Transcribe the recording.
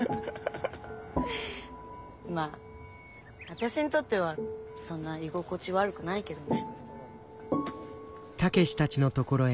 まあ私にとってはそんな居心地悪くないけどね。